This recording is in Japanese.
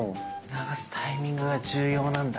流すタイミングが重要なんだ。